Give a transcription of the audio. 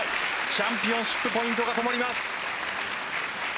チャンピオンシップポイントがともります。